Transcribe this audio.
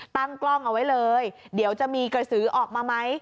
ตั้งกล้องเอาไว้เลยเดี๋ยวจะมีกระสือออกมาไหม